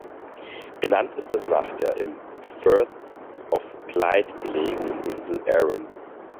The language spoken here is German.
Benannt ist es nach der im Firth of Clyde gelegenen Insel Arran.